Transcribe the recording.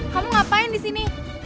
kamu ngapain disini